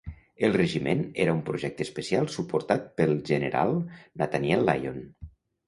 El regiment era un projecte especial suportat pel general Nathaniel Lyon.